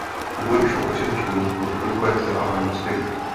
Původně šlo o večerní školu pro doplňkové vzdělávání dospělých.